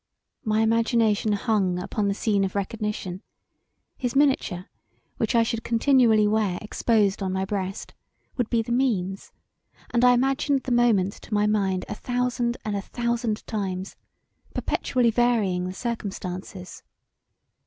My imagination hung upon the scene of recognition; his miniature, which I should continually wear exposed on my breast, would be the means and I imaged the moment to my mind a thousand and a thousand times, perpetually varying the circumstances.